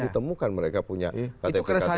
ditemukan mereka punya ktp ktp